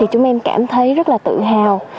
chúng em cảm thấy rất là tự hào